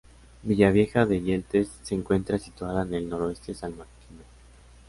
Villavieja de Yeltes se encuentra situada en el noroeste salmantino.